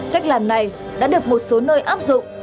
cách làm này đã được một số nơi áp dụng